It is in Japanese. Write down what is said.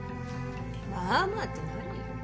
「まあまあ」って何よ。